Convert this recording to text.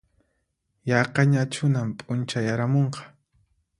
Yaqañachunan p'unchayaramunqa